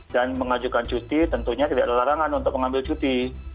dan mengajukan cuti tentunya tidak ada larangan untuk mengambil cuti